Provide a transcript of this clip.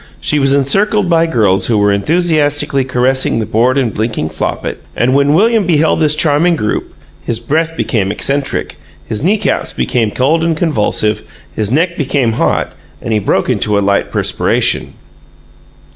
She was encircled by girls who were enthusiastically caressing the bored and blinking Flopit; and when William beheld this charming group, his breath became eccentric, his knee caps became cold and convulsive, his neck became hot, and he broke into a light perspiration.